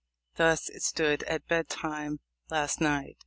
Tims it stood at bed time last night.